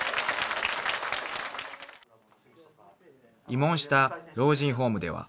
［慰問した老人ホームでは］